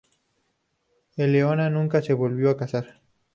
Eleonora nunca se volvió a casar.